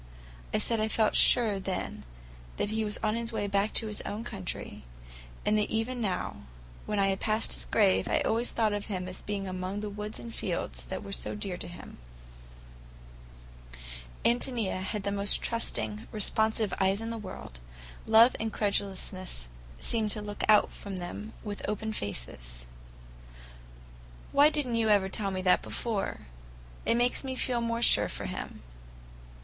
I said I felt sure then that he was on his way back to his own country, and that even now, when I passed his grave, I always thought of him as being among the woods and fields that were so dear to him. Ántonia had the most trusting, responsive eyes in the world; love and credulousness seemed to look out of them with open faces. "Why did n't you ever tell me that before? It makes me feel more sure for him."